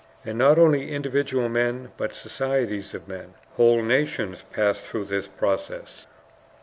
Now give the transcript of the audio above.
And not only individual men, but societies of men, whole nations, pass through this process.